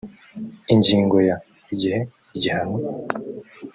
ingingo ya…: igihe igihano